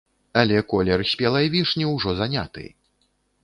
Але колер спелай вішні ўжо заняты!